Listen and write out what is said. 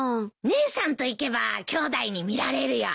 姉さんと行けばきょうだいに見られるよ。